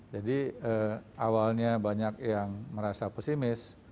jadi awalnya banyak yang merasa pesimis